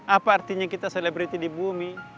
apa artinya kita selebriti di bumi